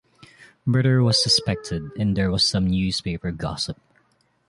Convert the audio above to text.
Murder was suspected, and there was some newspaper gossip.